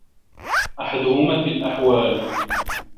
أَحَدُهُمَا فِي الْأَحْوَالِ